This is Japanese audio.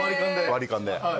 割り勘で。